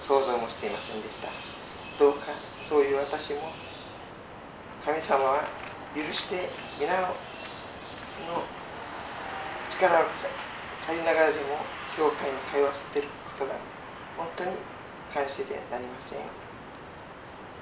どうかそういう私も神様は許して皆の力を借りながらでも教会に通わせて下さることがほんとに感謝でなりません。